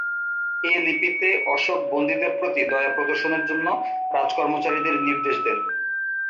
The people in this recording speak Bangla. এ লিপিতে অশোক বন্দীদের প্রতি দয়া প্রদর্শনের জন্য রাজকর্মচারীদের নির্দেশ দেন।